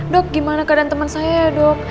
dok gimana keadaan teman saya ya dok